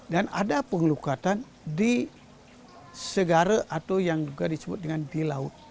dan ada pengelukatan di segara atau yang juga disebut dengan di laut